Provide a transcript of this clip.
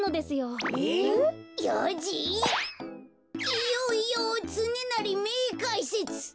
いよいよつねなりめいかいせつ！